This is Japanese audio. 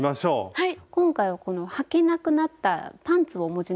はい。